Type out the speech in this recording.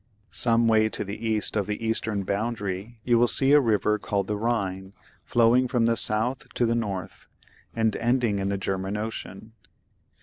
Some way to the east of the eastern boundary you will see a river called the Ehine flowing from the south to the north, and ending in the German Ocean.